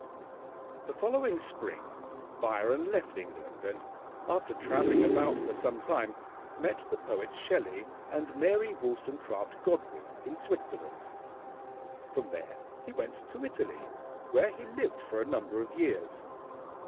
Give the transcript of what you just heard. The following spring Byron left England, and after traveling about for sometime met the poet Shelley and Mary Wollstonecraft Godwin in Switzerland. From there he went to Italy, where he lived for a number of years.